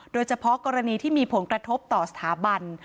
โดยเฉพาะกรณีที่มีผลกระทบต่อสถาบัน